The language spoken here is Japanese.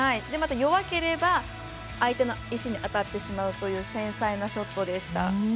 また弱ければ相手の石に当たってしまうという繊細なショットでした。